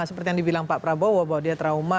seperti yang dibilang pak prabowo bahwa dia trauma